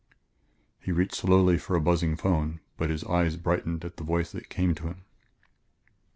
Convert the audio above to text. He reached slowly for a buzzing phone, but his eyes brightened at the voice that came to him.